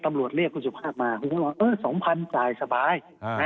ตำรวจเรียกคุณสุภาพมาเออ๒๐๐๐จ่ายสบาย